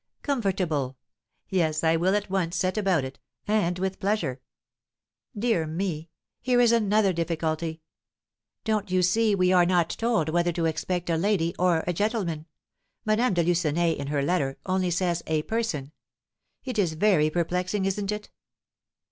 "Comfortable! Yes, I will at once set about it, and with pleasure." "Dear me! here is another difficulty. Don't you see we are not told whether to expect a lady or a gentleman? Madame de Lucenay, in her letter, only says 'a person.' It is very perplexing, isn't it?"